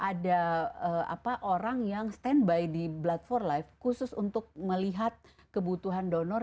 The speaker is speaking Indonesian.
ada orang yang standby di blood for life khusus untuk melihat kebutuhan donor